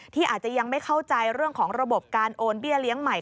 ที่อาจจะยังไม่เข้าใจเรื่องของระบบการโอนเบี้ยเลี้ยงใหม่